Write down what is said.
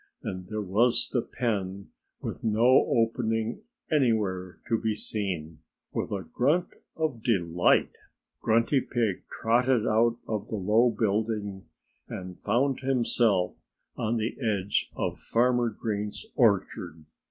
And there was the pen, with no opening anywhere to be seen. With a grunt of delight Grunty Pig trotted out of the low building and found himself on the edge of Farmer Green's orchard.